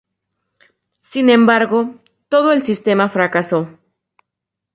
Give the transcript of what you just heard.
Sin embargo, todo el sistema fracasó.